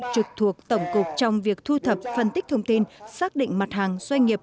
trực thuộc tổng cục trong việc thu thập phân tích thông tin xác định mặt hàng doanh nghiệp